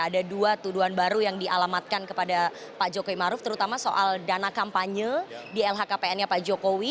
ada dua tuduhan baru yang dialamatkan kepada pak jokowi maruf terutama soal dana kampanye di lhkpn nya pak jokowi